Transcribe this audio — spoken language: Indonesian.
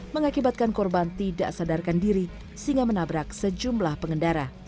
mengakibatkan korban tidak sadarkan diri sehingga menabrak sejumlah pengendara